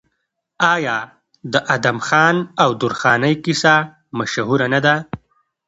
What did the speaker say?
آیا د ادم خان او درخانۍ کیسه مشهوره نه ده؟